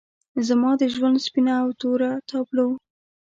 زما د ژوند سپینه او توره تابلو